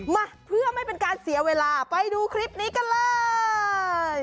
มาเพื่อไม่เป็นการเสียเวลาไปดูคลิปนี้กันเลย